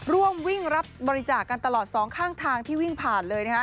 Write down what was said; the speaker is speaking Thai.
ร่วมวิ่งรับบริจาคกันตลอดสองข้างทางที่วิ่งผ่านเลยนะฮะ